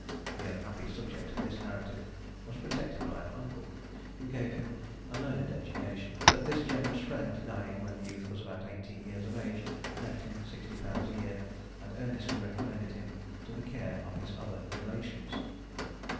The unhappy subject of this narrative was protected by an uncle, who gave him a learned education; but this generous friend dying when the youth was about eighteen years of age, left him sixty pounds a year, and earnestly recommended him to the care of his other relations.